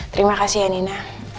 terimakasih ya nina